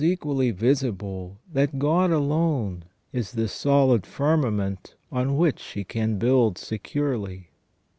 121 equally visible that God alone is the solid firmament on which she can build securely.